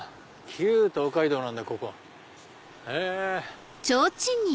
旧東海道なんだここ。